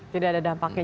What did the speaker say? tidak ada dampaknya